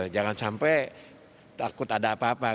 jangan sampai takut ada apa apa